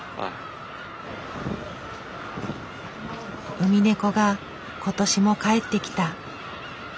ウミネコが今年も帰ってきた。